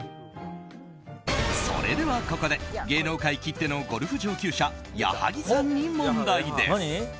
それでは、ここで芸能界きってのゴルフ上級者矢作さんに問題です。